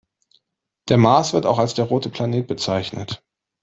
Der Mars wird auch als der „rote Planet“ bezeichnet.